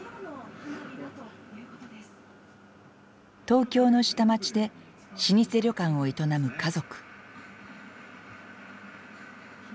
東京の下町で老舗旅館を営む家族。